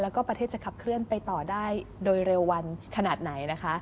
แล้วก็ประเทศจะขับเคลื่อนไปต่อได้โดยเร็ววันขนาดไหนนะคะ